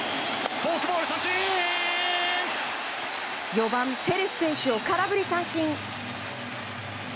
４番、テレス選手を空振り三振！